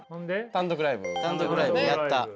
単独ライブやった。